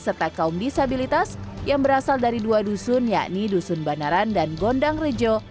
serta kaum disabilitas yang berasal dari dua dusun yakni dusun banaran dan gondang rejo